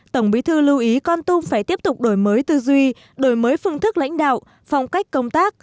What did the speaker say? tổng bí thư lưu ý con tum phải tiếp tục đổi mới tư duy đổi mới phương thức lãnh đạo phong cách công tác